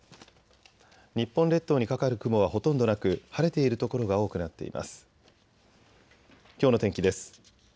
日本列島にかかる雲はほとんどなく、晴れている所が多くなっています。